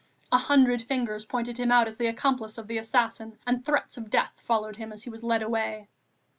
A hundred fingers pointed him out as the accomplice of the assassin, and threats of death followed him as he was led away.